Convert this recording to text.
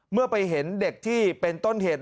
เมื่อไปเห็นเด็กที่เป็นต้นเหตุ